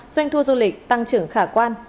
doanh thu du lịch tăng trưởng khả quan